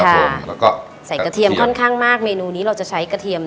แล้วก็ใส่กระเทียมค่อนข้างมากเมนูนี้เราจะใช้กระเทียม